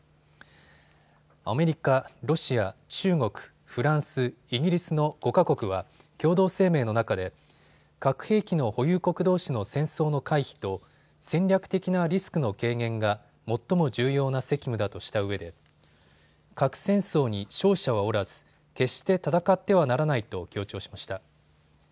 アメリカ、ロシア、中国、フランス、イギリスの５か国は共同声明の中で核兵器の保有国どうしの戦争の回避と戦略的なリスクの軽減が最も重要な責務だとしたうえで核戦争に勝者はおらず決して戦ってはならないと強調しました。